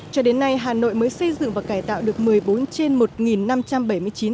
cho đến nay hà nội mới xây dựng và cải tạo được một mươi bốn trên